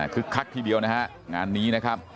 คักทีเดียวนะฮะงานนี้นะครับ